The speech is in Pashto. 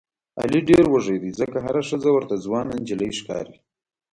علي ډېر وږی دی ځکه هره ښځه ورته ځوانه نجیلۍ ښکاري.